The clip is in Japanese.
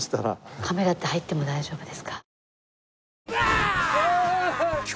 カメラって入っても大丈夫ですか？